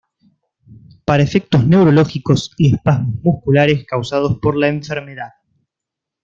Para los efectos neurológicos y espasmos musculares causados por la enfermedad.